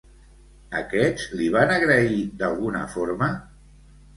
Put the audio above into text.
Aquests li van agrair d'alguna forma?